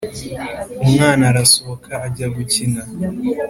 umwana arasohoka ajya gukina,